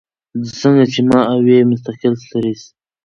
څنګه چې ما اووې مستقل سټرېس ،